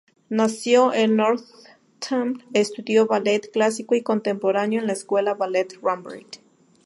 Nació en Northampton, estudió ballet clásico y contemporáneo en la escuela Ballet Rambert.